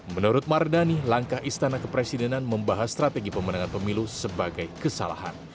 menurut mardani langkah istana kepresidenan membahas strategi pemenangan pemilu sebagai kesalahan